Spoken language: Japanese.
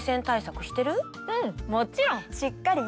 うんもちろん！